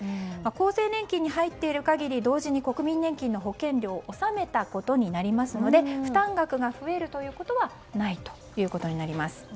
厚生年金に入っている限り同時に国民年金の保険料を納めたことになりますので負担額が増えるということはないということになります。